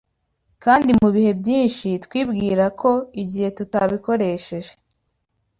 kandi mu bihe byinshi twibwirako igihe tutabikoresheje